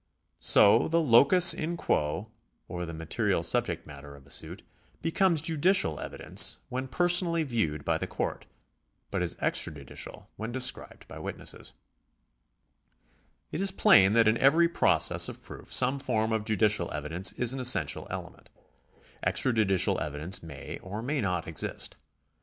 So the locus in quo or the material subject matter of a suit becomes judicial evidence, when personally viewed by the court, but is extrajudicial when described by witnesses. It is plain that in every process of proof some form of judicial evidence is an essential element. Extrajudicial evi 442 THE LAW OF PROCEDURE [§ 173 dence may or may not exist.